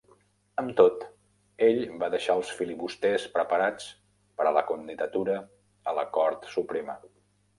Amb tot, ell va deixar els filibusters preparats per a la candidatura a la Cort Suprema.